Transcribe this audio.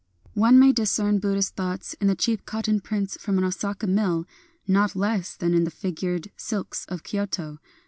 One may discern Buddhist thoughts in the cheap cotton prints from an Osaka mill not less than in the fig ured silks of Kyoto.